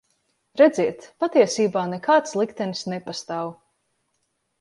Redziet, patiesībā nekāds liktenis nepastāv.